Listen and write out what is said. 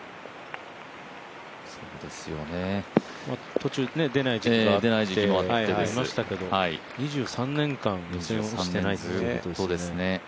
途中、出ない時期もありましたけど２３年間、予選を落ちてないってことですね。